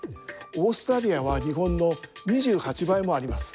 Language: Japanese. オーストラリアは日本の２８倍もあります。